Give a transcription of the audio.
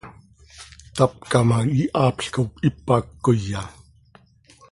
Tapca ma, ihaapl cop ipac coya.